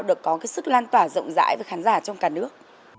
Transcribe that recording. được có cái sức lan tỏa rộng rãi với khán giả trong cả nước